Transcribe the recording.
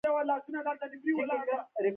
دوی علمي کتابونه ژباړي.